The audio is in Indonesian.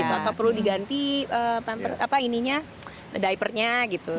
atau perlu diganti diapernya gitu